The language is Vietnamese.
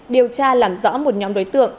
điều tra làm rõ một nhóm đối tượng